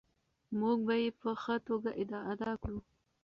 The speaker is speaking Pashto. موږ به یې په ښه توګه ادا کړو.